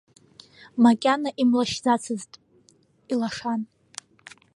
Макьана имлашьцаӡацызт, илашан.